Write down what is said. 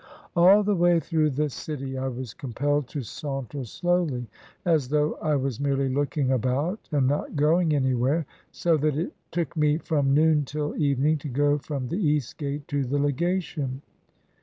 All the way through the city I was compelled to saun ter slowly, as though I was merely looking about and not going anywhere, so that it took me from noon till evening to go from the East Gate to the Legation.